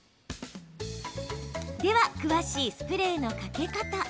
では、詳しいスプレーのかけ方。